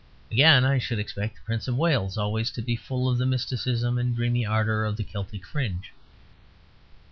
Again, I should expect the Prince of Wales always to be full of the mysticism and dreamy ardour of the Celtic fringe.